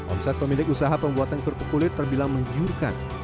omset pemilik usaha pembuatan kelupuk kulit terbilang menjurkan